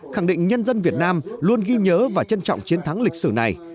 khẳng định nhân dân việt nam luôn ghi nhớ và trân trọng chiến thắng lịch sử này